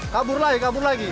kalau naik kabur lagi